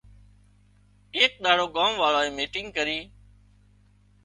ايڪ ۮاڙو ڳام وازنئي ميٽنگ ڪرِي